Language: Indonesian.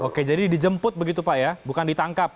oke jadi dijemput begitu pak ya bukan ditangkap